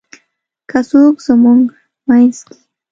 که څوک زمونږ مينځ کې :